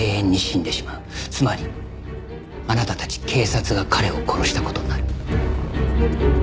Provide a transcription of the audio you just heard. つまりあなたたち警察が彼を殺した事になる。